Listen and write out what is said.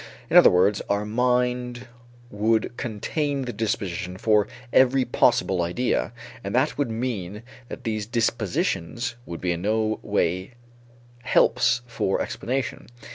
In other words, our mind would contain the disposition for every possible idea and that would mean that these dispositions would be in no way helps for explanation.